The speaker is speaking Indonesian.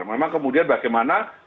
memang kemudian bagaimana